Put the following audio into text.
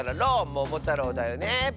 「ももたろう」だよね。